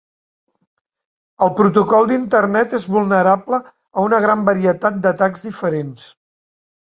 El protocol d'Internet és vulnerable a una gran varietat d'atacs diferents.